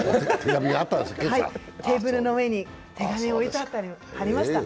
テーブルの上に手紙が置いてありました。